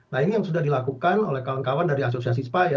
nah ini yang sudah dilakukan oleh kawan kawan dari asosiasi spa ya